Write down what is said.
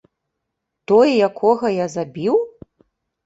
Той, якога я забіў?!